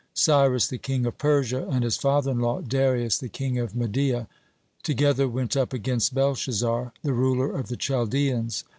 Cyrus, the king of Persia, and his father in law Darius, the king of Media, together went up against Belshazzar, the ruler of the Chaldeans.